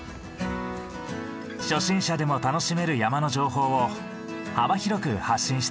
初心者でも楽しめる山の情報を幅広く発信しています。